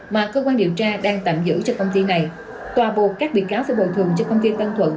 mà cơ quan điều tra đang tạm giữ cho công ty này tòa buộc các bị cáo sẽ bồi thường cho công ty tân thuận